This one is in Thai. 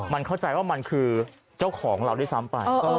มันเข้าใจว่ามันคือเจ้าของเราด้วยซ้ำไป